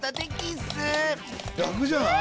らくじゃない？